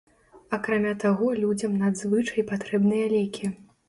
Акрамя таго людзям надзвычай патрэбныя лекі.